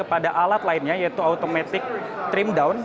pada alat lainnya yaitu automatic trim down